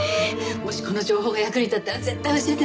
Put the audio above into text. もしこの情報が役に立ったら絶対教えてね。